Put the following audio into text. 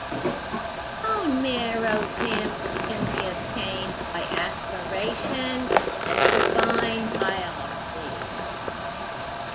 Bone marrow samples can be obtained by aspiration and trephine biopsy.